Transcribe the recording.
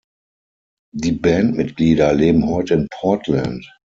Die Bandmitglieder leben heute in Portland.